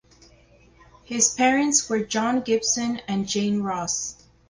His parents were John Gibson and Jane Ross.